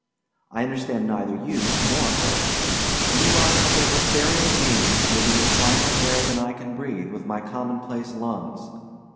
I understand neither you nor her. You are a couple of ethereal beings moving in finer air than I can breathe with my commonplace lungs.